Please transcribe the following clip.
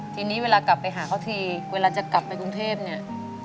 ทีนี้เวลากลับไปหาเขาทีเวลาจะกลับไปกรุงเทพเนี่ย